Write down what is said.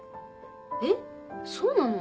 えっそうなの？